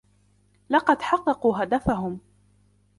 لَقَد حَقَقوا هَدَفَهُم.